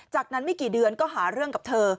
จากนั้นไม่กี่เดือนก็หาเรื่องกับเธอ